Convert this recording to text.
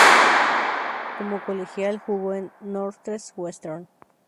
Como colegial jugo en Northwestern.